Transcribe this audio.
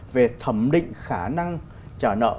về thẩm định khả năng trả nợ